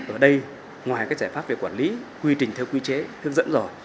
ở đây ngoài cái giải pháp về quản lý quy trình theo quy chế hướng dẫn rồi